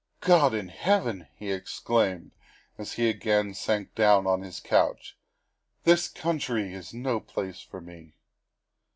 " God in heaven!" he exclaimed as he again sank down on his couch, " this country is no place for me."